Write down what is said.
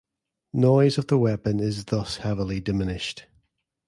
Noise of the weapon is thus heavily diminished.